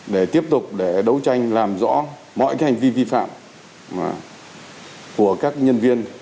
để tiếp tục để đấu tranh làm rõ mọi hành vi vi phạm của các nhân viên